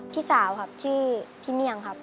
พี่สาวครับชื่อพี่เมี่ยงครับ